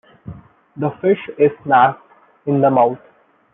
The fish is snagged in the mouth.